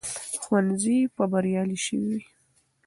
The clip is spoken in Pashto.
ښوونځي به بریالي شوي وي.